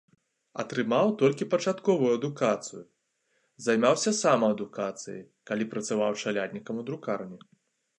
Атрымаў толькі пачатковую адукацыю, займаўся самаадукацыяй, калі працаваў чаляднікам у друкарні.